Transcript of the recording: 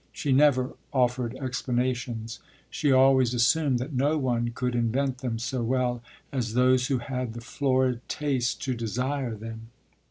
She never offered explanations; she always assumed that no one could invent them so well as those who had the florid taste to desire them.